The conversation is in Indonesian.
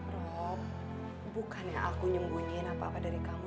roh bukannya aku nyembunyiin apa apa dari kamu